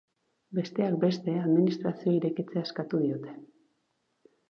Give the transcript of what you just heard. Besteak beste, administrazioa irekitzea eskatu diote.